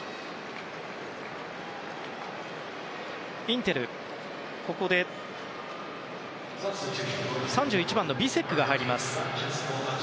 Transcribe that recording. インテル、ここで３１番のビセックが入ります。